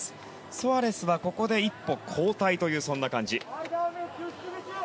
ソアレスはここで一歩後退という感じ。